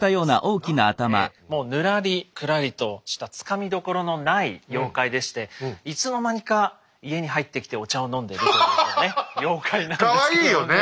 もうぬらりくらりとしたつかみどころのない妖怪でしていつの間にか家に入ってきてお茶を飲んでるというね妖怪なんですけどもね。